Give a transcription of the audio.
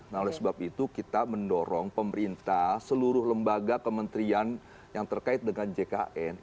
nah oleh sebab itu kita mendorong pemerintah seluruh lembaga kementerian yang terkait dengan jkn